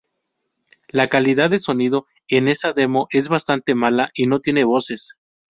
La calidad de sonido en esa demo es bastante mala y no tiene voces.